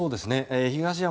東山